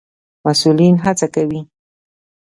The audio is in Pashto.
مسئولين هڅه کوي